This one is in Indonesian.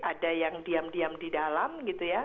ada yang diam diam di dalam gitu ya